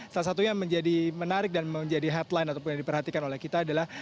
salah satunya yang menjadi menarik dan menjadi headline ataupun yang diperhatikan oleh kita adalah